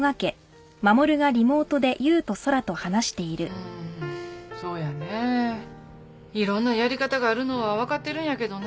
うーんそうやね。いろんなやり方があるのは分かってるんやけどね。